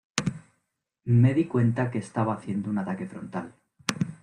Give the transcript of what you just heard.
Me di cuenta que estaba haciendo un ataque frontal.